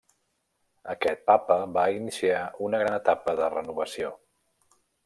Aquest papa va iniciar una gran etapa de renovació.